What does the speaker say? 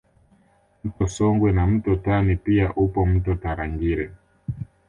Mto Songwe na mto Tani pia upo mto Tarangire